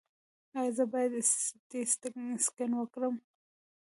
ایا زه باید سټي سکن وکړم؟